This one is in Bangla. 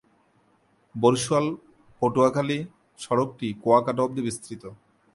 বরিশাল-পটুয়াখালী সড়কটি কুয়াকাটা অবধি বিস্তৃত।